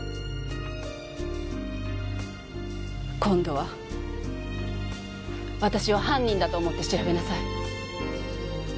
今度は私を犯人だと思って調べなさい。